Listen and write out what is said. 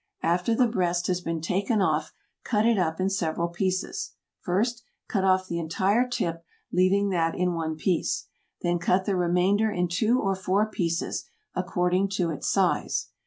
After the breast has been taken off, cut it up in several pieces. First, cut off the entire tip, leaving that in one piece. Then cut the remainder in two or four pieces, according to its size.